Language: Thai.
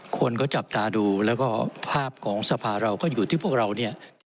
คนก็จับตาดูแล้วก็ภาพของสภาเราก็อยู่ที่พวกเราเนี่ย